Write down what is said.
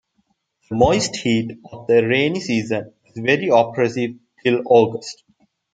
The moist heat of the rainy season is very oppressive till August.